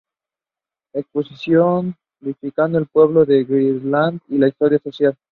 Exposición dedicado al pueblo de Gibraltar y su historia social.